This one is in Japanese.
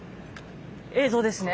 映像ですね。